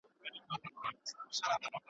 د پښتو ادب معاصره دوره د نویو تجربو ډکه ده.